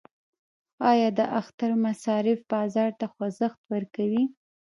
آیا د اختر مصارف بازار ته خوځښت ورکوي؟